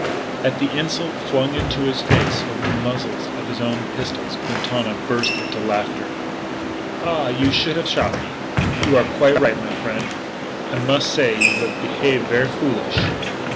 At the insult flung into his face over the muzzles of his own pistols, Quintana burst into laughter. "Ah! You should have shot me! You are quite right, my frien'. I mus' say you have behave ver' foolish."